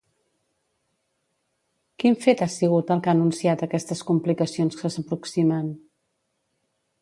Quin fet ha sigut el que ha anunciat aquestes complicacions que s'aproximen?